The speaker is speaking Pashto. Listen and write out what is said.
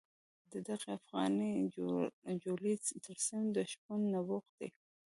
د دغې افغاني جولې ترسیم د شپون نبوغ دی.